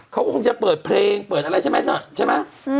เขาก็คงจะเปิดเพลงเปิดอะไรใช่ไหม